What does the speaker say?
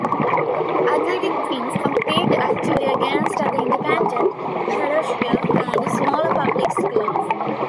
Athletic teams compete actively against other independent, parochial and smaller public schools.